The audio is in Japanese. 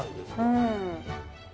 うん。